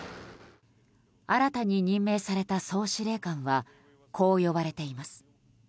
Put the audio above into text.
新たに任命された総司令官はこう呼ばれています。